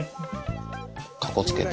かこつけて。